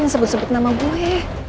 jangan sebut sebut nama gue